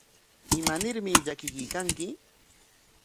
¿Imanarmi llakikuykanki?